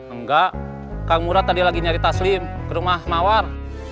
enggak kang murad tadi lagi nyari taslim ke rumah mawar